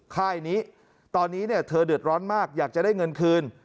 ค่ายนี้ตอนนี้เธอเดือดร้อนมากอยากจะได้เงินคืน